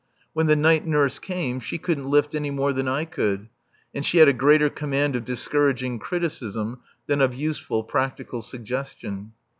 When the night nurse came she couldn't lift any more than I could; and she had a greater command of discouraging criticism than of useful, practical suggestion.